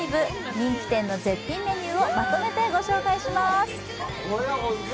人気店の絶品メニューをまとめてご紹介します。